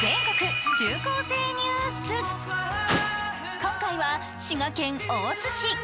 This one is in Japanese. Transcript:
今回は滋賀県大津市。